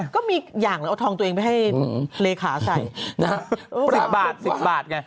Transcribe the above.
ก็มีอย่างหนึ่งเอาทองตัวเองไปให้เลขาใส่นะฮะ๑๐บาท๑๐บาทไง